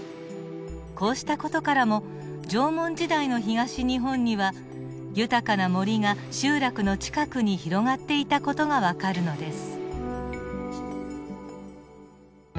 こうした事からも縄文時代の東日本には豊かな森が集落の近くに広がっていた事がわかるのです。